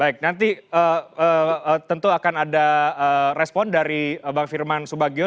baik nanti tentu akan ada respon dari bang firman subagio